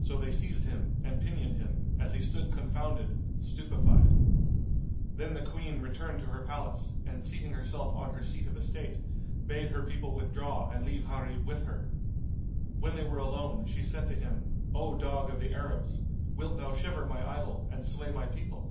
So they seized him and pinioned him, as he stood confounded, stupefied. Then the Queen returned to her palace, and seating herself on her seat of estate, bade her people withdraw and leave Gharib with her. When they were alone, she said to him, "O dog of the Arabs, wilt thou shiver my idol and slay my people?"